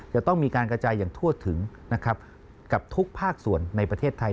จะต้องมีการกระจายอย่างทั่วถึงนะครับกับทุกภาคส่วนในประเทศไทย